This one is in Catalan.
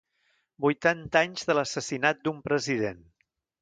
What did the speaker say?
Vuitanta anys de l’assassinat d’un president